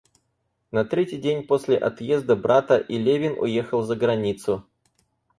На третий день после отъезда брата и Левин уехал за границу.